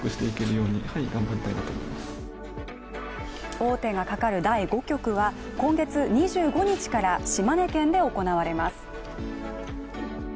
王手がかかる第５局は今月２５日から島根県で行われます。